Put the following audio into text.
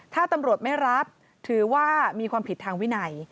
ถ้าตำรวจไม่รับถือว่ามีความผิดทางวินัย